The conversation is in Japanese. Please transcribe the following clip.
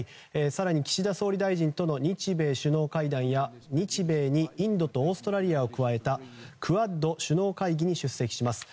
更に岸田総理大臣との日米首脳会談や日米にインドとオーストラリアを加えたクアッド首脳会議に出席します。